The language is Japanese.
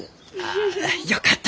あよかった。